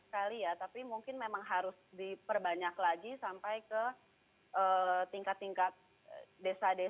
sekali ya tapi mungkin memang harus diperbanyak lagi sampai ke tingkat tingkat desa desa